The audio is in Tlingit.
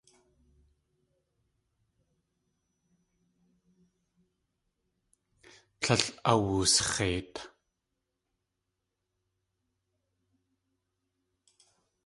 Tlél awusx̲eit.